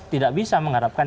tidak bisa mengharapkan